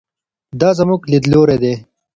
دا زموږ لیدلوری دی.